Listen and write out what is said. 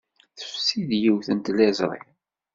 Tefsi-d yiwet n tliẓri.